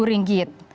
empat dua juta ringgit